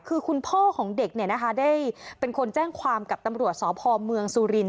คือคุณพ่อของเด็กได้เป็นคนแจ้งความกับตำรวจสพเมืองสุรินท